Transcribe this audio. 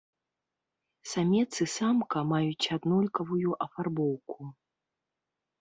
Самец і самка маюць аднолькавую афарбоўку.